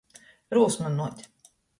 Rūsmynuot.